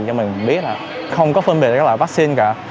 cho mình biết là không có phân biệt là loại vaccine cả